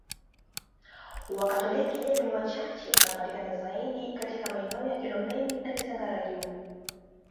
Wakatoliki japo ni wachache wanapatikana zaidi katika maeneo ya Kilomeni na Kisangara Juu